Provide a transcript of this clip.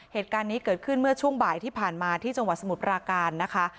เหตุการณ์นี้เกิดขึ้นเมื่อช่วงบ่ายที่ผ่านมาที่จังหวัดสมุทรปราการนะคะ